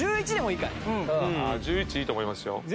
１１いいと思いますよ。